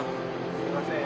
すいません